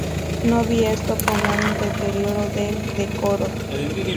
No vi esto como un deterioro del decoro.